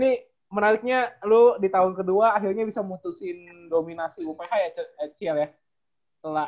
nah ini menariknya lu di tahun kedua akhirnya bisa memutusin dominasi wph ya shell ya